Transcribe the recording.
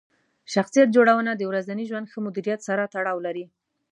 شخصیت جوړونه د ورځني ژوند ښه مدیریت سره تړاو لري.